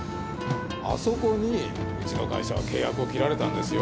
あそこにウチの会社は契約を切られたんですよ。